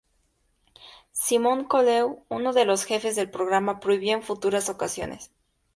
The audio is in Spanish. Simon Cowell, uno de los jefes del programa, prohibió en futuras ocasiones.